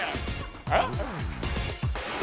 えっ？